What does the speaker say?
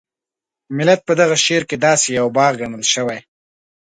ملت په دغه شعر کې داسې یو باغ ګڼل شوی.